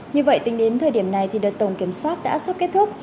như vậy tính đến thời điểm này đợt tổng kiểm soát đã sắp kết thúc